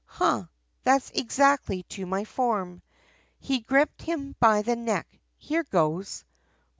"Ha! that's exactly to my form!" He gripped him by the neck, "Here goes!